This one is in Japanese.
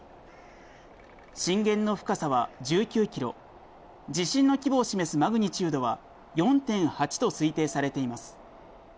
震源の深さは１９キロ、地震の規模を示すマグニチュードは４．８と推定されています。